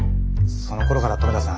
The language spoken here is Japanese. そのころから留田さん